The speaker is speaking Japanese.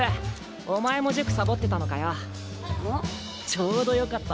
ちょうどよかった。